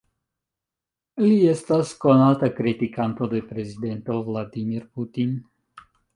Li estas konata kritikanto de prezidento Vladimir Putin.